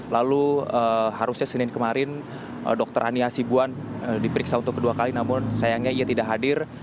lalu harusnya senin kemarin dr hani hasibuan diperiksa untuk kedua kali namun sayangnya ia tidak hadir